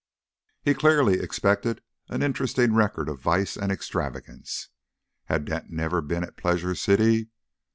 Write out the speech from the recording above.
He clearly expected an interesting record of vice and extravagance. Had Denton ever been at a Pleasure City?